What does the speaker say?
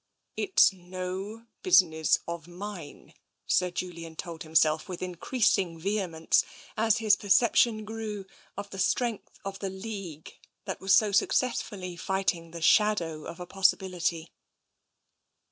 " It's no business of mine," Sir Julian told himself with increasing vehemence, as his perception grew of the strength of the league that was so successfully fight ing the shadow of a possibility.